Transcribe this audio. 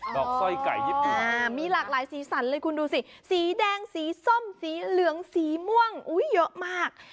อกสร้อยไก่ญี่ปุ่นมีหลากหลายสีสันเลยคุณดูสิสีแดงสีส้มสีเหลืองสีม่วงเยอะมาก